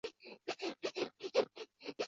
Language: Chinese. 何首乌有臃肿的根